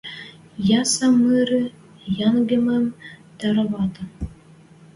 — Ясы мыры йӓнгемӹм тӓрвӓтӓ.